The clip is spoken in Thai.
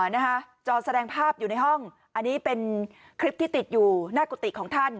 นะคะจอแสดงภาพอยู่ในห้องอันนี้เป็นคลิปที่ติดอยู่หน้ากุฏิของท่าน